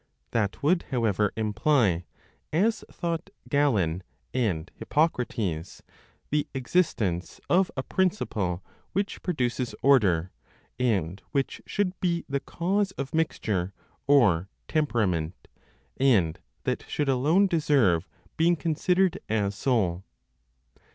That would, however, imply (as thought Gallen and Hippocrates) the existence of a principle which produces order, and which should be the cause of mixture or, temperament, and that should alone deserve being considered as soul.